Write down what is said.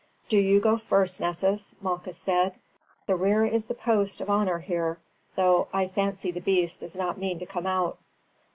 "Do you go first, Nessus," Malchus said. "The rear is the post of honour here, though I fancy the beast does not mean to come out."